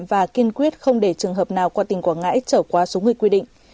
và kiên quyết không để trường hợp nào qua tỉnh quảng ngãi trở qua số người quy định